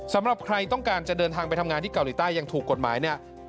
สำหรับใครต้องการจะเดินทางไปทำงานที่เกาหลีใต้ยังถูกกฎหมายเนี่ย